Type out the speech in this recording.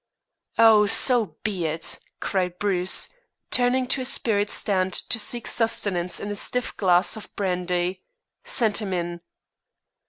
"Oh, so be it," cried Bruce, turning to a spirit stand to seek sustenance in a stiff glass of brandy. "Send him in."